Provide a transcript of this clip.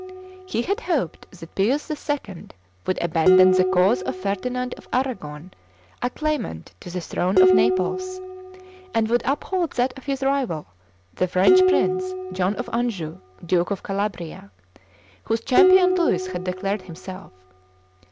He had hoped that Pius II. would abandon the cause of Ferdinand of Arragon, a claimant to the throne of Naples, and would uphold that of his rival, the French prince, John of Anjou, Duke of Calabria, whose champion Louis had declared himself.